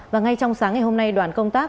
và ngay trong sáng ngày hôm nay đoàn công tác